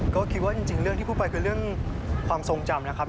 ก็คิดว่าจริงเรื่องที่พูดไปคือเรื่องความทรงจำนะครับ